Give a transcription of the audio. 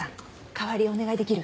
代わりお願いできる？